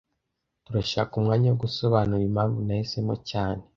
Turashaka umwanya wo gusobanura impamvu nahisemo cyane